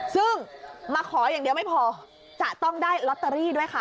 ซึ่งมาขออย่างเดียวไม่พอจะต้องได้ลอตเตอรี่ด้วยค่ะ